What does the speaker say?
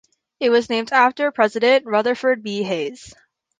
It was named after President Rutherford B. Hayes.